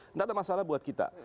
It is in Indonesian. tidak ada masalah buat kita